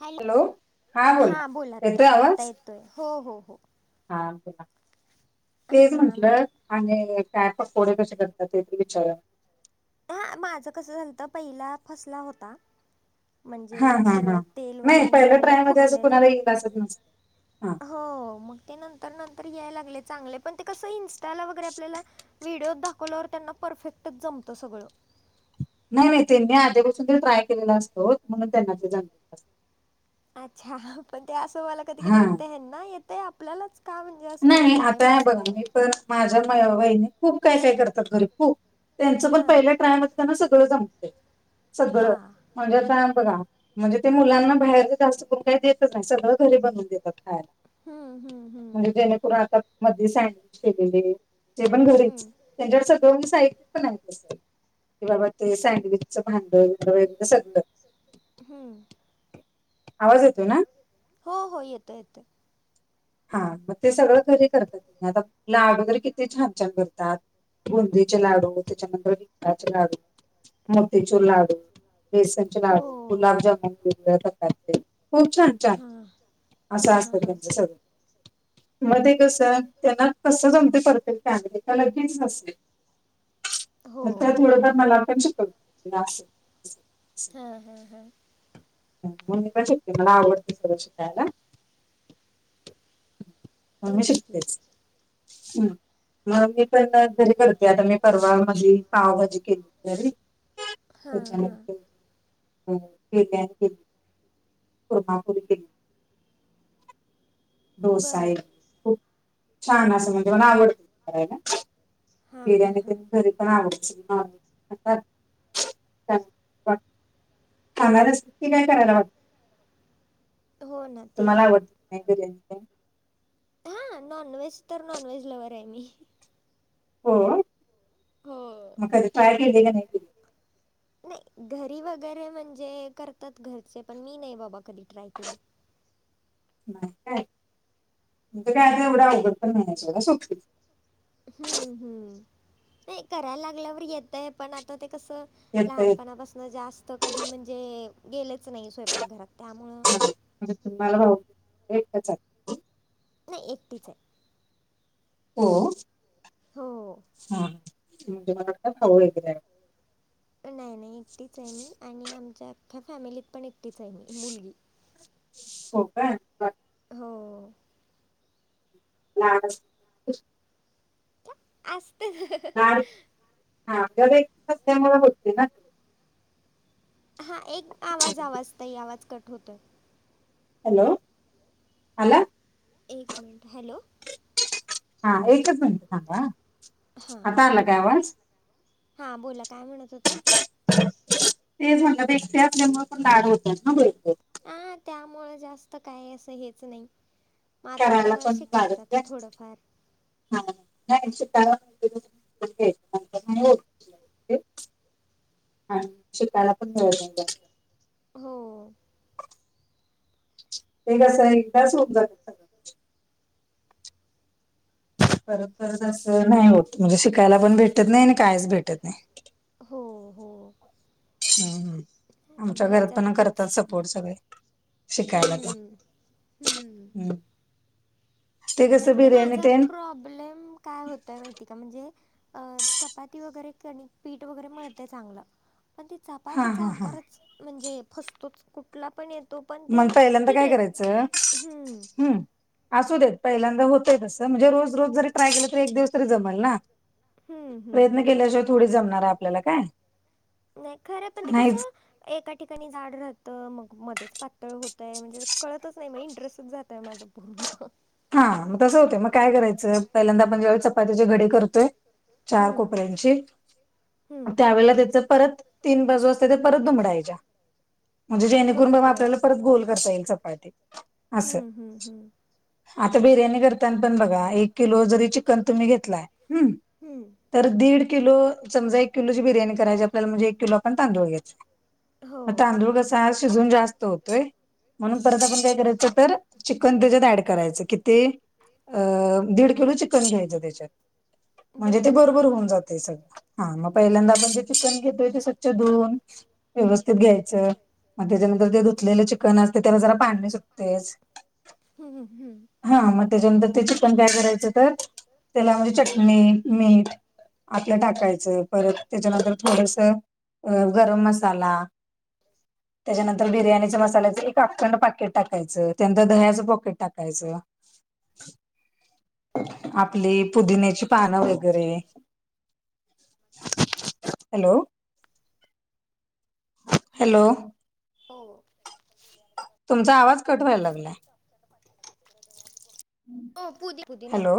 Hello बोला हा बोलात येतोय आता आवाज येतोय हो हो हो. हा बोला तेच हां मग म्हंटलं. आणि, काय पकोडे कसे करतात ते विचारा. हा, माझं कसं झालंत, पहिला फसला होता. हा म्हणजे, हा हा सगळं तेल नाही वगैरे पहिल्या निघालेलं ट्राय मध्ये असं फुटलेला, कुणाला येईल असंच नसतं हा हो, मग ते नंतर -नंतर यायला लागले चांगले. पण ते कसं, इन्स्टाला वगैरे आपल्याला व्हिडिओ दाखवल्यावर, त्यांना परफेक्टच जमतं सगळं. नाही -नाही त्यांनी आधीपासून ते, ट्राय केलेला असतो ओ म्हणून त्यांना ते जमतं. अच्छा, पण ते असं मला कधी, कधी हा वाटतं ना त्याना येतयं आपल्यालाच का म्हण नाही, आता आहे बघा, मी पण माझ्या वाहिनी, खूप काय- काय करतात घरी खूप. त्याचे पण, हां पहिला ट्रयला असताना सगळ जमतेय, सगळं हां म्हणजे आता बघा. म्हणजे, ते मुलांना बाहेर जास्त करून, काही देतचं नाही, सगळं घरी बनवून देतात खायला. हम्म, हम्म, हम्म म्हणजे, तेनी करून आता मध्ये, सँडविच केलेले ते पण घरीचं. हम्म त्यांच्याकडे सगळं साहित्य पण आहे तस, कि बाबा ते सँडविचचं भांडण, वगैरे, सगळं हम्म, आवाज येतोय! हो, हो येतंय, येतंय, हा, मग ते सगळं कधी करतात. तुम्ही आता? लाडू, वगैरे किती छान- छान करतात, बुंदीचे लाडू, त्याच्यानंतर डिंकाचे लाडू. मोती चुरलाडू, बेसनचे हो लाडू, गुलाबजामन करतात ते, खूप छान -छान. हां असं, हां हां असतं हां त्यांचं सगळं. मध्ये कसं, त्यांना कसं जमते परफेक्ट काय माहिती, का लगेच असते. हो त्या, थोडंफार मला आपण शिकवतात असं. हा, हा, हा. म, मी पण शिकले, मला आवडते सगळं शिकायला. म मी तेच की शिकतेच, मग मी पण घरी करते, मी आता परवा, पावभजी केली घरी. हां हां अचानक, हो बिर्याणी केलती, कुर्मा पुरी केलती, डोसा बरं इडली, खूप छान असं म्हणजे मला आवडतं. होय ना, हां हां बिर्याणी हां तेन घरी च ह [unintelligible] खाणार असेल तर काही करायला वाटतं नाही. हो ना ते तुम्हाला आहे आवडते कणी नाही बिर्याणी? हो, हा, नॉन व्हेज तर, नॉनव्हेलव्हरआहे मी. हो? मग कधी ट्राय केली का नाही केली? हो, नाही, घरी वगैरे म्हणजे करतात, घरचे पण मी नाही, बाबा कधी ट्राय केली. नाही काय, म्हणजे काय आता एवढं अवघड पण नाहीयं सोडा सोपी. हम्म, हम्म, नाही करायला लागल्यावर येतयं, पण आता ते कसं येत येत लहानपणापासून जास्त कधी, म्हणजे गेलेचं नाही. स्वयंपाकघरात त्यामुळं? म्हणजे, तुम्हाला भाऊ एक च आहे. नाही एकटीचं आहे. हो! हो हा तुमच्या म्हणजे मला वाटलं, भाऊ वगैरे आहे. हो. नाही नाही एकटीचं आहे मी.. आणि आमच्या अख्ख्या फॅमिलीत पण एकटीचं आहे मी मुलगी. हो. का? हो. लहान असेल. काय असतं. लाड हा त्यामुळे होते ना हा एक आवाज आवाज ताई आवाज कट होतो.. हॅलो! आला? एक मिनट.. हॅलो! हा एकच मिनट थांबा.. हां आता आला काय आवाज? हां बोला काय म्हणत होतात? ते म्हटलं एकटीआपल्यामुळे पण लाड होतात ना भरपूर. अ त्यामुळे जास्त काय असं हेच नाही? म आता आता करायला पण शिकायचं लागत आता थोडंफार हा नाही शिकायला लागतंय, त्याशिवाय नाही होत शिकायला पण मिळत नाही हो.. ते कसं एकदाच होऊन जातात सगळं परत परत असं नाही होत म्हणजे शिकायला पण भेटत नाही आणि कायच भेटत नाही हो हो.. हम्म.. आता आमच्या घरात बघायचं आता पण करतात तेच सपोर्ट सगळे शिकायला ते हम्म, हम्म.. कसं आता ते बिर्याणी माझा तेन प्रॉब्लेम काय होतोय माहिती का म्हणजे? चपाती वगैरे कणिक आणि पीठ वगैरे मिळतं चांगलं पण ति हा चपातीचा हा हा आकारच म्हणजे फसतोच कुठला पण येतो? पण ते मग पहिल्यांदा ठीक काय आहे करायचं हम्म हम्.. असू देत पहिल्यांदा होतय तसं म्हणजे रोज रोज जरी ट्राय केलं तरी एक दिवस तरी जमल ना हम्म हम्म प्रयत्न हम्म केल्याशिवाय थोडी जमणार आहे आपल्याला काय नाही खरं पण ते नाहीच. कसं एका ठिकाणी जाड राहतं मग मध्येच पातळ होतं आहे म्हणजे कळतच नाही मग इंटरेस्टच जात आहे माझं बोला.. हा मग तसं होतं मग काय करायचं पहिल्यांदा आपण जे चपात्याचे घडी करतोय चार हम्म कोपऱ्यांची हम्म त्यावेेळेला त्याच परत तीन बाजू असते ते परत दुमडायच्या म्हणजे जेणेकरून बर बाबा बर आपल्याला परत गोल करता येईल चपाटी असं हम्म हम्म हम्म.. आता बिर्याणी करताना पण बघा एक किलो जरी चिकन तुम्ही घेतलाय हम्म तर दीड किलो समजा एक किलो ची बिर्याणी करायची आपल्याला म्हणजे एक किलो आपण तांदूळ घ्यायय हो म तांदूळ कसं भात शिजून जास्त होतोय म्हणून परत आपण काय करायच चिकन त्याच्यात ॲड करायच कि अ दीड किलो चिकन घ्यायचं त्याच्यात म्हणजे ते बर बरोबर होऊन जातात ते सगळं हा मग पहिल्यांदा आपण जे चिकन घेतोय ते स्वच्छ धुवून व्यवस्थित घ्यायचं मग त्याच्यानंतर ते धूलेलं चिकन असते त्याला जरा पाणी सुटतेस हम हम् हमी. हा मग त्याच्यानंतर ते चिकन काय करायचं, तर त्याला म्हणजे चटणी, मीठ आपलं टाकायचं. परत त्याच्यानंतर थोडसं अ गरम मसाला त्याच्यानंतर बिर्याणीच्या मसाल्याचं एक अखंड पाकीट टाकायचं. त्यानंतर दह्याचं पॉकिट टाकायचं. आपली पुदिन्याची पानं वगैरे [inaudible] हॅलो. हॅलो हो हो तुमचा आवाज कट व्हायला लागलायं. हो पुदी पुूदी ना. हॅलो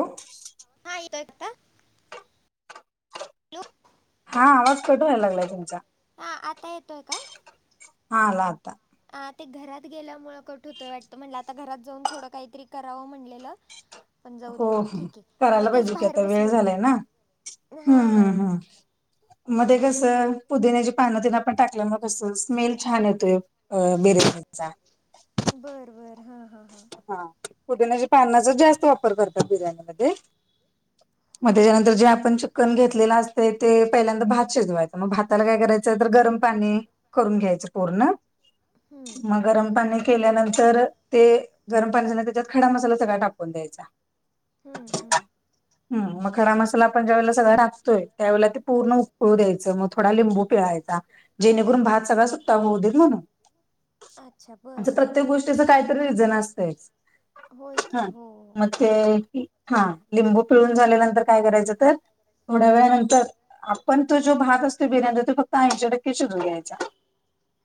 हाय दत्ता हा आवाज कट व्हायला लागलायं तुमचा. हा आता येतोय का. हा आला आता. आ ते घरात गेल्यामुळं कट होतंय वाटतं. म्हणलं आता घरात जाऊन थोडं काहीतरी करावं म्हणलेलं पण जाऊ दे, हो हो आता ठीक आहे. मग करायला तेच पाहिजे की बाहेर आता वेळ बसलेले. झालाय ना हा मध्ये ते कस पुदिन्याची पानं तेन आपण टाकल्यावर मग कसं स्मेल छान येतोय. अ बिर्याणीचा. बरं बरं. हा हा हा. हा. पुदिन्याच्या पानाचा जास्त वापर करतात बिर्याणीमध्ये. मग हो त्याच्यानंतर जे आपण चिकन घेतलेलं असतंय ते पहिल्यांदा भात शिजवायचं मग भाताला काय करायचं, तर गरम पाणी करून घ्यायचं पूर्ण. हम्म [inaudible] मग गरम पाणी केल्यानंतर ते गरम पाणी झालं त्याच्यात खडा मसाला सगळा टाकून द्यायचा. हम्म हम्म. हम. मग खडा मसाला आपण ज्या वळेला सगळा टाकतोय, त्यावेळेला ते पूर्ण उकळू द्यायचं मग थोडा लिंबू पिळायचा. जेणेकरून भात सगळा सुट्टा होउ देत म्हणून. अच्छा बरं असं प्रत्येक हां गोष्टीच काय रिजन असतंयच. होय की. हा. हो. मग ते. हा लिंबू पिळून झाल्यानंतर काय करायचं, तर थोड्या वेळानंतर, आपण तो जो भात असतो बिर्याणीचा, तो फक्त ऐंशी टक्के शिजून घ्यायचा.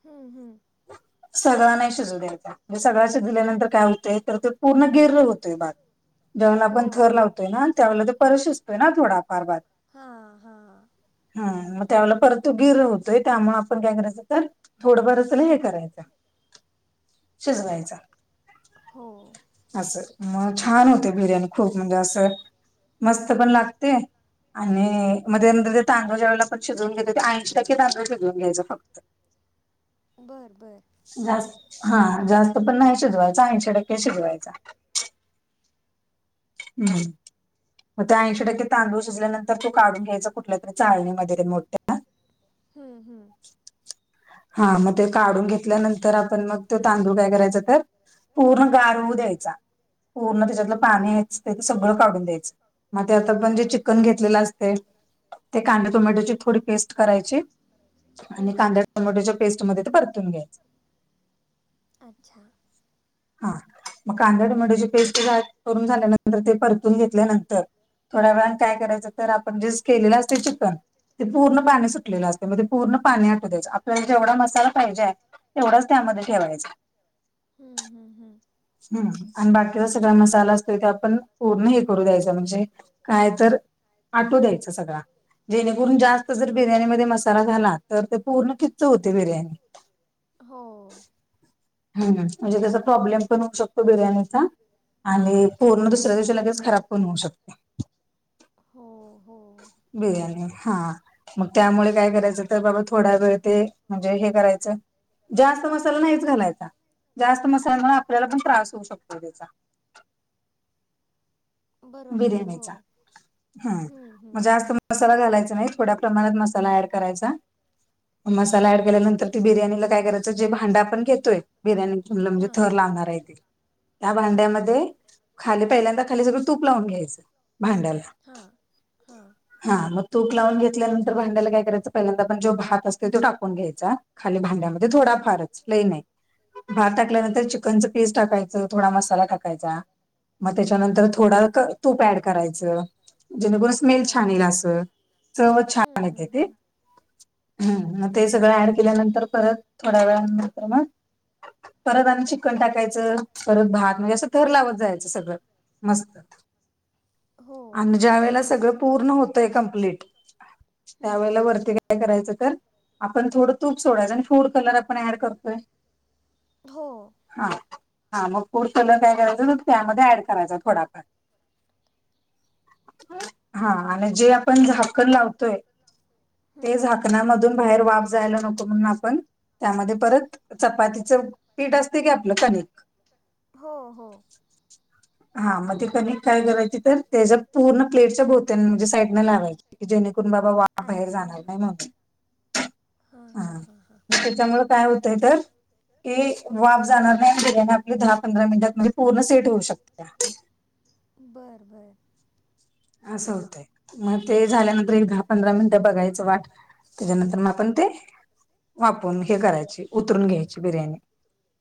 हम्म हम्म. सगळा नाही शिजू द्यायचा. म्हणजे सगळा शिजवल्यानंतर काय होतंय, तर ते पूर्ण गिर होत ते भात. जेंव्हाला हो आपण थर लावतोय ना त्यावेळेला ते परत शिजंतोय ना थोडाफार भात. हां हां हां. हम मग त्यावेळेला परत तो गिर होतोय, त्यामुळे आपण काय करायचं तर थोडं बरं त्याला हे करायचं. शिजवायचा. हो असं मग छान होते बिर्याणी खूप म्हणजे असं मस्त पण लागते, आणि म त्यानंतर तांदूळ ज्यावेळेला आपण शिजवून घेतो, ते ऐंशी टक्के तांदूळ शिजवून घ्यायचा फक्त बरं बरं [inaudible] जास्त. हम्म हा जास्त पण नाही शिजवायचा, ऐंशी टक्के शिजवायचा. हम् मग त्या ऐंशी टक्के तांदूळ शिजल्यानंतर तो काढून घ्यायचा, कुठल्या तरी चाळणीमध्ये मोठ्या. हम्... हम्... हा, मग ते काढून घेतल्यानंतर आपण मग ते तांदूळ काय करायच. तर पूर्ण गार होउ द्यायचा. पूर्ण त्याच्यातलं हम्म बरं पाणीच, त्या सगळं काढून द्यायचं. मग ते आता पण, जे हां चिकन घेत असते. ते कांद्या हां टोमॅटोची थोडी पेस्ट करायची. हं, आणि, कांद्या टोमोट्याच्या पेस्टमध्येध्ये ते परतून घ्यायच. अच्छा... हा मग, कांद्या टमट्याची पेस्ट करून झाल्यानंतर ते परतून घेतल्यानंतर थोड्या वेळ काय करायचं, तर आपण जे केलेलं असते. चिकन ते पूर्ण हं, पाणी सुटलेलं असते. मण ते पूर्ण पाणी आठव द्यायच आपल्याला जेवढा मसाला पाहिजे. तेवढाच, त्यामध्ये ठेवायचं. हम्म... हम्म... हम्म हम आणि बाकीचा सगळा मसाला असतोय. ते आपण पूर्ण हे करू द्यायच. म्हणजे काय तर, आटू द्यायच सगळां. जेणेकरून जास्त जर हां बिर्याणी म मसाला झाला, तर ते पूर्ण किच् होते बिर्याणी. हो... ह म्हणजे, त्याचा प्रॉब्लेम पण होऊ शकतो. बिर्याणीचा... आणि पूर्ण दुसऱ्या दिवशी लगेच खराब पण होऊ शकते. हो... हो.. बिर्याणी.. हा. मग, त्यामुळे काय करायचं, तर बाबा थोडा वेळ ते म्हणजे हे करायचं. जास्त मसाला नाहीच घालायचा. जास्त मसाल्यामुळे, आपल्याला पण त्रास होऊ शकतो. त्याचा बरोबर आहे हो बिर्याणीचा हं, हं. हम्म.. जास्त. मसाला घालायचा नाही. थोड्या प्रमाणात मसाला ऍड करायचा. मसाला ऍड बर केल्यानंतर. बिर्याणीला काय करायचं, जे भांड आपण घेतोय बिर्याणीथनलं म्हणजे हां थर लावणार आहे ते. त्या हां भांड्यामध्ये, खाली पहिल्यांदा खाली, सगळं तूप लावून घ्यायचं भांड्याला. हां... हां. हा मग तूप लावून घेतल्यानंतर भांड्याला काय करायचं पहिल्यांदा पण जो भात असते. तो टाकून घ्यायचा. खाली भांड्यामध्ये हां थोडाफारच लय नाही. भात हां टाकल्यानंतर चिकनच. पेस्ट टाकायच, थोडा मसाला टाकायचा. मग त्याच्यानंतर थोडा. तूप ऍड करायचं, म्हण जे न, ब स्मेल बर छानल असं. सर्वच [inaudible] हं, छानते हं, ते. हं. हम्म... मग ते सगळं ऍड केल्यानंतर परत थोड्या वेळ नंतर मग. परत आणि चिक्न टाकायचं. परत भात म्हणजे असं थर लावत जायचं सगळं. हो आणि, ज्या वेळा सगळं पूर्ण होतय कमप्लीट. त्या हं, वेळी वरती काय करायचं तर. आपण थोडं तूप सोडायचं. आणि फूड कलर आपण ऍड करतोय. हो हा.. हा.. मग पुर [inaudible] चल काय करायचं त्यामध्ये ऍड करायच. [inaudible] कार हा [inaudible] आपण झाकण लावतोय. ते हं, झा. [inaudible] ककणामधून बाहेर वाफ जायला नको. म्हणून, आपण त्यामध्ये परत चपातीच. पीठ असते की, आपलं कनिक. हो.... हो. हा.. मग ते कने [inaudible] काय करायची तर त्याच्या पूर्ण प्लेटच्या भोवत्या्यां म्हणजे साईडने लावायची. जेणेकरून बाबा [inaudible] वा बाहेर अच्छा जाणार नाही म्हणून. हां हां हा हां हां त्याच्यामु काय होतय तर. क वाब जाणार नाही आणिने आपले दहा पंधरा मिनिटात म्हणजे पूर्ण सेट होऊ शकते. बरं बरं. असं होतंय मग ते झाल्यानंतर एक दहा पंधरा मिनिटं बघायचं वाट. त्याच्यानंतर मग आपण ते वापरून हे करायचे उतरून घ्यायची बिर्याणी.